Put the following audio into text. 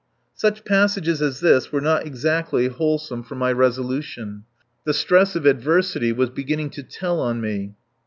..." Such passages as this were not exactly wholesome for my resolution. The stress of adversity was beginning to tell on me.